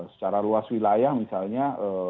secara luas wilayah misalnya